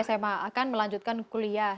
sma akan melanjutkan kuliah